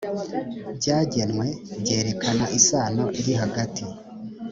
byagenwe byerekana isano iri hagati